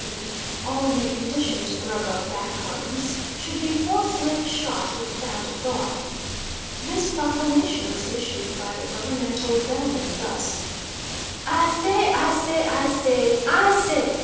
e. all in a condition to grub up back gardens should be forthwith shot if found abroad. This proclamation was issued by the governmental bellman thus: "I say I say I say I say.